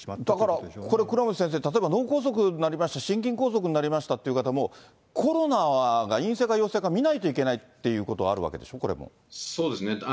だから、これ倉持先生、例えば脳梗塞になりました、心筋梗塞になりましたっていう方も、コロナが陰性か陽性か診ないといけないということがあるわけですそうですね。